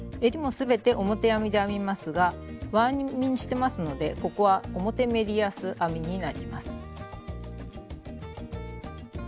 全て表編みで編みますが輪編みにしてますのでここは表メリヤス編みになります。